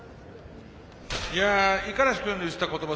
五十嵐君の言ってた言葉